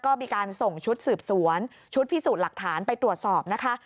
ก็มีการส่งชุดสืบสวนชุดพิสูจน์หลักฐานไปตรวจสอบนะคะ